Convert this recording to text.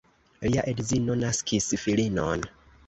Lia edzino naskis filinon.